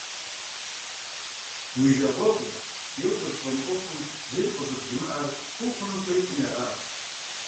Уи жагъуэгъум, е укъызыфӀэмыӀуэхум зыри къыщӀыбжимыӀэр, фӀы ухъуну хуейкъыми аращ.